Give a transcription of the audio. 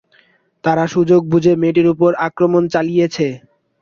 তারা সুযোগ বুঝে মেয়েটির ওপর আক্রমণ চালিয়েছে।